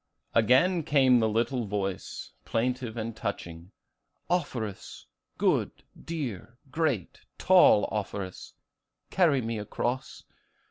Again came the little voice, plaintive and touching, 'Offerus, good, dear, great, tall Offerus, carry me across.